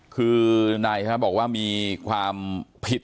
คือนายบอกว่ามีความผิด